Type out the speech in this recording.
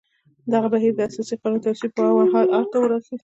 دغه بهیر د اساسي قانون تصویب پر مهال اوج ته ورسېد.